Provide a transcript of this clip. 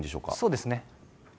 そうですね。